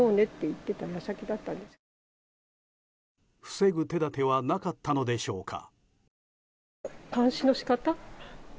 防ぐ手立てはなかったのでしょうか。